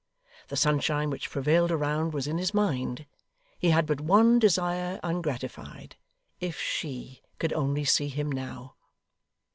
The sunshine which prevailed around was in his mind. He had but one desire ungratified. If she could only see him now!